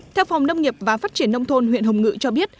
theo phòng nông nghiệp và phát triển nông thôn huyện hồng ngự cho biết